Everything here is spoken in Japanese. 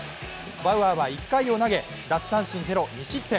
バウアーは１回を投げ奪三振０、２失点。